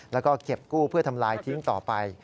แล้วก็เก็บกู้เพื่อทำลายทิ้งต่อไป